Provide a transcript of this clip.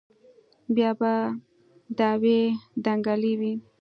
بيا به دعوې دنگلې وې.